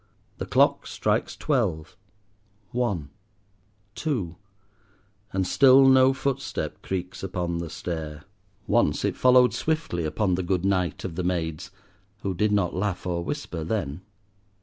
The clock strikes twelve—one—two, and still no footstep creaks upon the stair. Once it followed swiftly upon the "good night" of the maids, who did not laugh or whisper then.